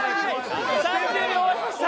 ３０秒終わりました！